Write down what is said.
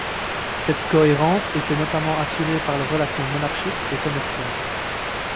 Cette cohérence était notamment assurée par les relations monarchiques et commerciales.